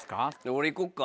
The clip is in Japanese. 俺いこっか？